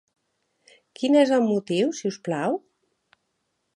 Quin és el motiu, si us plau?